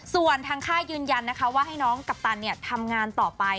ส่วนทางค่ายยืนยันนะคะว่าให้น้องกัปตันทำงานต่อไป